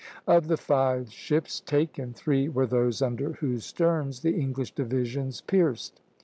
Of the five ships taken, three were those under whose sterns the English divisions pierced.